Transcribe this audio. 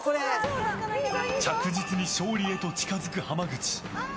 着実に勝利へと近づく浜口。